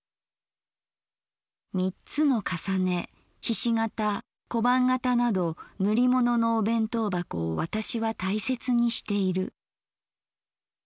「三つの重ね菱形小判型など塗り物のお弁当箱を私は大切にしている。